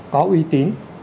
có uy tín